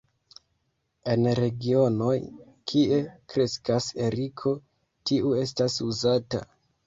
En regionoj, kie kreskas eriko, tiu estas uzata.